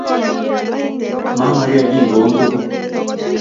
Mamage kiy koun tug